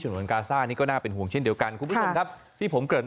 หลวงกาซ่านี่ก็น่าเป็นห่วงเช่นเดียวกันคุณผู้ชมครับที่ผมเกิด